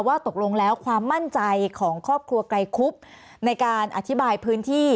ตกลงแล้วความมั่นใจของครอบครัวไกรคุบในการอธิบายพื้นที่